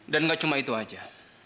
dan gak cuma itu aja